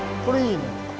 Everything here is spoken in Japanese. これいいね。